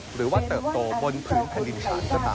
หรือว่าเติบโตบนพื้นแผ่นดินชาติก็ตามครับ